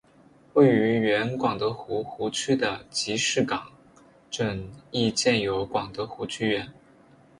位于原广德湖湖区的集士港镇亦建有广德湖剧院。